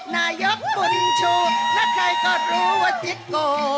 นายกบุญชูและใครก็รู้ว่าติ๊กโก